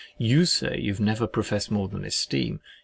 You say you have never professed more than esteem.